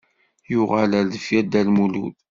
Yuɣal ar deffir Dda Lmulud.